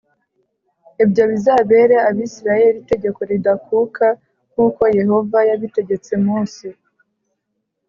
Ibyo bizabere Abisirayeli itegeko ridakuka nk uko Yehova yabitegetse Mose